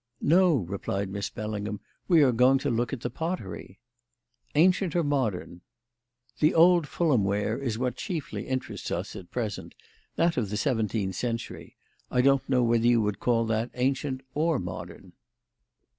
"No," replied Miss Bellingham; "we are going to look at the pottery." "Ancient or modern?" "The old Fulham ware is what chiefly interests us at present; that of the seventeenth century. I don't know whether you would call that ancient or modern."